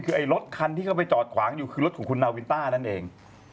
คือไอ้รถคันที่เขาไปจอดขวางอยู่คือรถของคุณนาวินต้านั่นเอง